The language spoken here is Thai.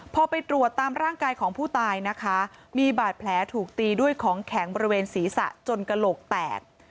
พอไปตรวจตามร่างกายของผู้ตายนะคะมีบาดแผลถูกตีด้วยของแข็งบริเวณศีรษะจนกระโหลกแตก